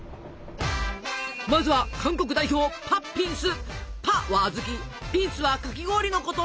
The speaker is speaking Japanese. まずは韓国代表「パッ」はあずき「ピンス」はかき氷のこと。